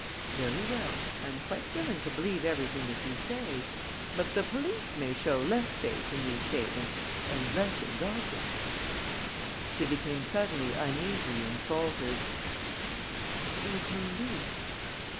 "Very well. I am quite willing to believe everything that you say. But the police may show less faith in these statements and less indulgence." She became suddenly uneasy and faltered: "The police....